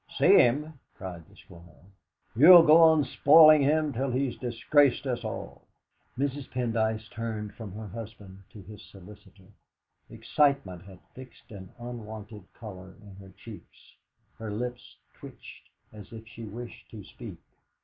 "See him!" cried the Squire. "You'll go on spoiling him till he's disgraced us all!" Mrs. Pendyce turned from her husband to his solicitor. Excitement had fixed an unwonted colour in her cheeks; her lips twitched as if she wished to speak.